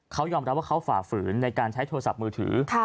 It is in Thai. เขายอมรับว่าเขาฝ่าฝืนในการใช้โทรศัพท์มือถือ